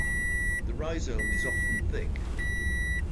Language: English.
The rhizome is often thick.